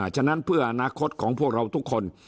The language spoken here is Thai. ฉะนั้นเพื่ออนาคตของพวกเราทุกคน